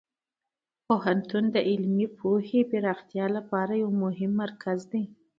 پوهنتون د علمي پوهې پراختیا لپاره یو مهم مرکز دی.